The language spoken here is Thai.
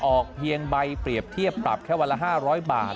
ออกเพียงใบเปรียบเทียบปรับแค่วันละ๕๐๐บาท